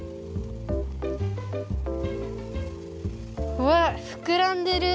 うわっふくらんでる！